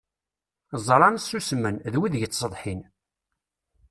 Ẓṛan, ssusmen, d wid yettṣeḍḥin.